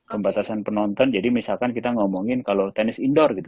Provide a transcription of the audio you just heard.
pembatasan penonton jadi misalkan kita ngomongin kalau tenis indoor gitu